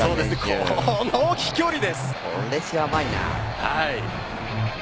この飛距離です。